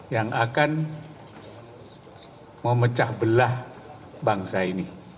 yang akan memecah belah bangsa ini